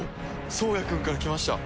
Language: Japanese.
颯也君から来ました。